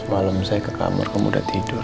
malam saya ke kamar kamu udah tidur